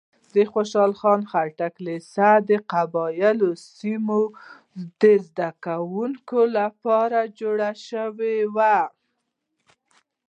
د خوشحال خان لیسه د قبایلي سیمو د زده کوونکو لپاره جوړه شوې وه.